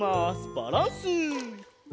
バランス！